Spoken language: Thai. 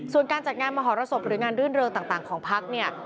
ส่วนการจัดงานมหรสบหรืองานรื่นเริงต่างของพักเนี่ย